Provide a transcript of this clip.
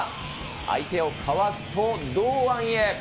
相手をかわすと堂安へ。